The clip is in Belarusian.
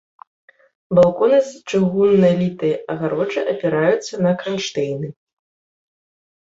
Балконы з чыгуннай літай агароджай апіраюцца на кранштэйны.